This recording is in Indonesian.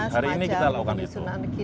hari ini kita lakukan itu